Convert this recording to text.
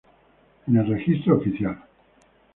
En el Registro Oficial No.